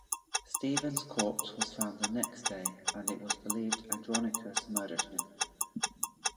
Stephen's corpse was found the next day and it was believed Andronicus murdered him.